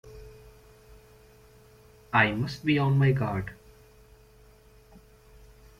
I must be on my guard!